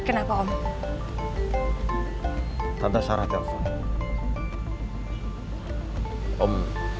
om bingung mau ngomong apa sama tante sarah takutnya lah om